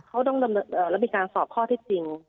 เขาต้องเลือกและมีการสอบข้อที่จริง